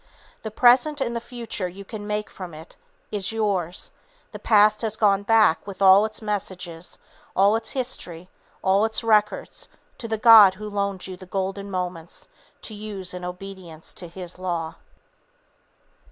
The present and the future you can make from it, is yours; the past has gone back, with all its messages, all its history, all its records to the God who loaned you the golden moments to use in obedience to His law."